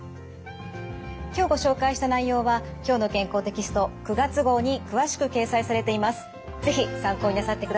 今日ご紹介した内容は「きょうの健康」テキスト９月号に詳しく掲載されています。